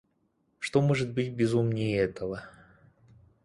Что может быть безумнее этого.